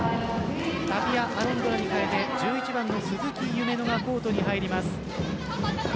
タピア・アロンドラに代えて１１番の鈴木夢乃がコートに入ります。